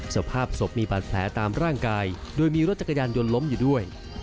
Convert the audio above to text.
สภาพศพมีบาดแผลตามร่างกายโดยมีรถจักรยานยนต์ล้มอยู่ด้วย